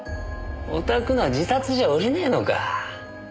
おたくのは自殺じゃおりねえのか。